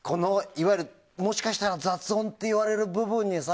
もしかしたら雑音って言われる部分にさ